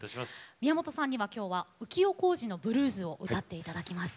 宮本さんにはきょうは「浮世小路のｂｌｕｅｓ」を歌っていただきます。